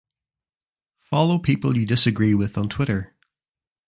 Follow people you disagree with on Twitter!